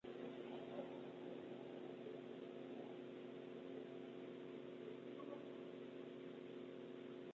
El juego durante las batallas marítimas tiene elementos de videojuegos de estrategia por turnos.